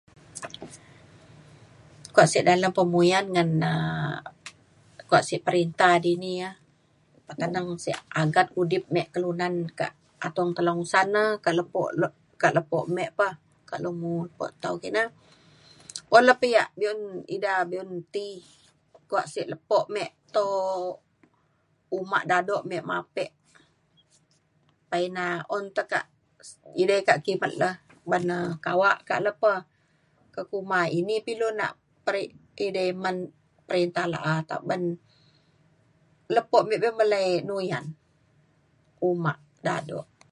kuak sek dalau pemuyan ngan nak kuak sek perinta dini ya ngadeng sek agat udip me kelunan kak atong Telang Usan na kak lepo le kak lepo me pa kak Long Mo lepo tau kina. un le pa yak ida be'un ti kuak sek lepo me to uma dado me mapek. pa ina un tekak s- edei kak kimet le ban na kawak kak le pe ke ka kuma. ini pa ilu nak peri- edei men perintah la'a ban lepo me be'un melai inu uyan uma dado